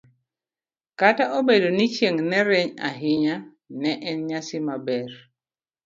Kata obedo ni chieng' ne rieny ahinya, ne en nyasi maber.